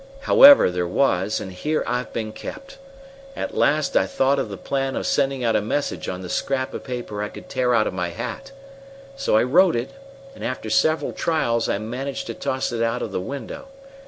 "However, there was, and here I've been kept. At last I thought of the plan of sending out a message on the scrap of paper I could tear out of my hat. So I wrote it, and after several trials I managed to toss it out of the window.